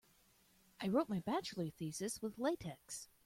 I wrote my bachelor thesis with latex.